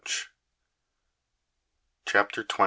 CHAPTER XX.